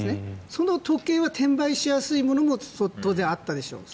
その時計は転売しやすいものも当然あったでしょうし